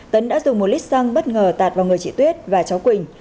tấn đã dùng một lít xăng bất ngờ tạt vào người chị tuyết và cháu quỳnh